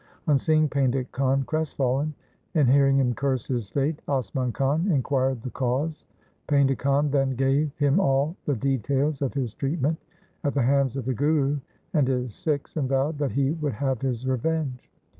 On seeing Painda Khan crestfallen and hearing him curse his fate, Asman Khan inquired the cause. Painda Khan then gave him all the details of his treatment at the hands of the Guru and his Sikhs, and vowed that he would have his revenge.